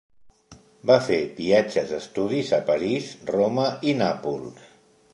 Va fer viatges d'estudis a París, Roma i Nàpols.